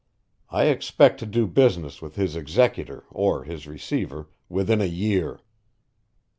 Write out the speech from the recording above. I expect to do business with his executor or his receiver within a year."